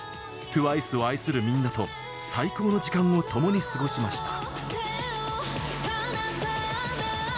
ＴＷＩＣＥを愛するみんなと最高の時間をともに過ごしました。